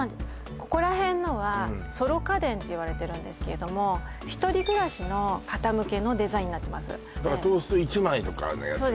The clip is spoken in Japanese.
ここら辺のはソロ家電っていわれてるんですけども１人暮らしの方向けのデザインになってますだからトースト１枚とかのやつね